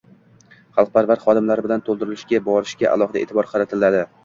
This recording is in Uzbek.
xalqparvar xodimlar bilan to‘ldirishga borishga alohida e’tibor qaratiladi.